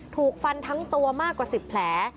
ถูกฟันทั้งตัวมากกว่า๑๐แผล